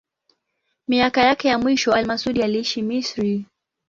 Miaka yake ya mwisho al-Masudi aliishi Misri.